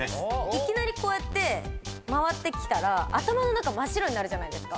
いきなり回ってきたら頭の中真っ白になるじゃないですか。